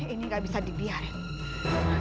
ini gak bisa dibiarkan